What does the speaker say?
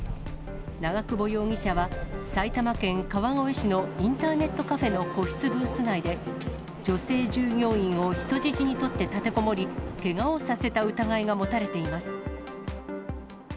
長久保容疑者は、埼玉県川越市のインターネットカフェの個室ブース内で、女性従業員を人質に取って立てこもり、けがをさせた疑いが持たれています。